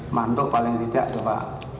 manduk paling tidak coba